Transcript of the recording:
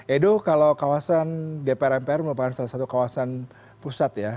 edo kalau kawasan dpr mpr merupakan salah satu kawasan pusat ya